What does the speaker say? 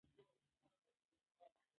د ياد پاتې کېدو پر ځای يې خدمت غوره کړ.